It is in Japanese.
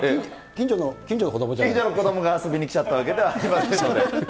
近所の子どもが遊びに来ちゃったわけではありませんので。